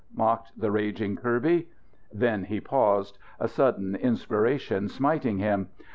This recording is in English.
mocked the raging Kirby. Then he paused, a sudden inspiration smiting him.